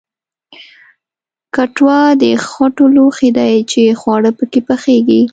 کټوه د خټو لوښی دی چې خواړه پکې پخیږي